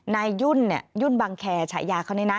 นายยุ่นบังแคร์ชายาก็ได้นะ